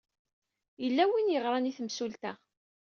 Yella win ay yeɣran i temsulta.